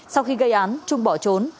sau khi gây án trung bỏ trốn